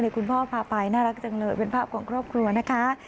คุณพ่อพาไปน่ารักจังเลยเป็นภาพของครอบครัวนะคะ